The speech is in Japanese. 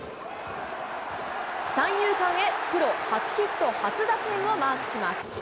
三遊間へ、プロ初ヒット、初打点をマークします。